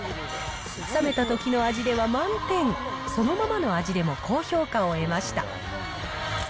冷めたときの味では満点、そのままの味でも高評価を得ました。